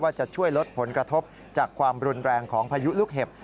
จะช่วยลดผลกระทบจากความรุนแรงของพายุลูกเห็บ